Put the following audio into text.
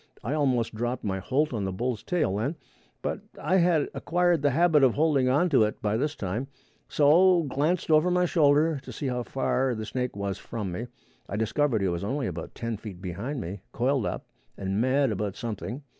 I almost dropped my holt on the bull's tail then, but I had acquired the habit of holding on to it by this time, so glanced over my shoulder to see how far the snake was from me. I discovered he was only about ten feet behind me, coiled up and mad about something.